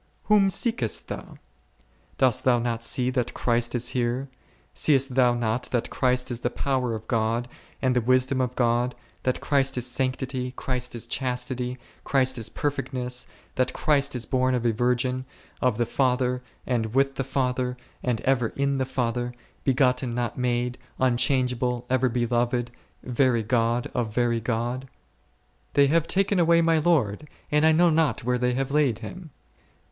Whom seekest thou ? Dost thou not see that Christ is here ? Seest thou not that Christ is the power of God, and the wisdom of God ; that Christ is sanctity, Christ is chastity, Christ is perfectness ; that Christ is o ■O O —— —0 ©n i^olg Ftrgtmtg, 9 born of a Virgin ; of the Father, and with the Father, and ever in the Father, begotten not made, unchange able, ever beloved, very God of very God ? They have taken away my Lord, and I know not where they have laid Him.